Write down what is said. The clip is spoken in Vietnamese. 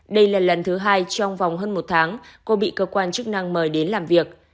đây là lần thứ hai trong vòng hơn một tháng cô bị cơ quan chức năng mời đến làm việc